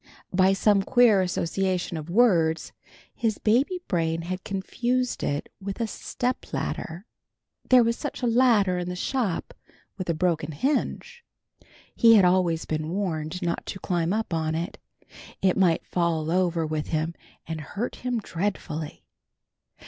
By some queer association of words his baby brain confused it with a step ladder. There was such a ladder in the shop with a broken hinge. He was always being warned not to climb up on it. It might fall over with him and hurt him dreadfully.